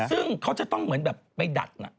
ซึ่งเขาจะต้องเหมือนแบบไปดัด